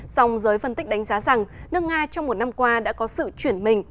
dòng giới phân tích đánh giá rằng nước nga trong một năm qua đã có sự chuyển mình